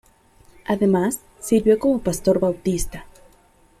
Además, sirvió como pastor bautista.